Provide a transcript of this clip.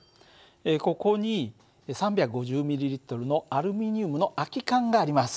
ここに３５０ｍＬのアルミニウムの空き缶があります。